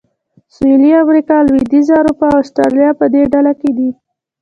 سویلي امریکا، لوېدیځه اروپا او اسټرالیا په دې ډله کې دي.